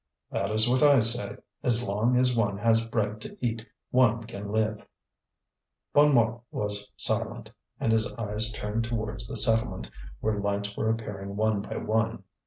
"That is what I say. As long as one has bread to eat one can live." Bonnemort was silent; and his eyes turned towards the settlement, where lights were appearing one by one.